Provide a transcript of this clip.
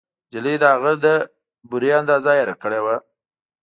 نجلۍ د هغه د بورې اندازه هېره کړې وه